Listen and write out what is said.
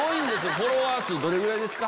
フォロワー数どれぐらいですか？